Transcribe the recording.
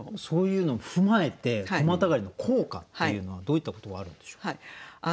そういうのを踏まえて句またがりの効果っていうのはどういったことがあるんでしょう？